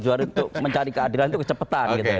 tujuh hari untuk mencari keadilan itu kecepatan